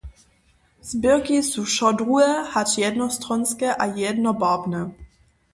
Zběrki su wšo druhe hač jednostronske a jednobarbne.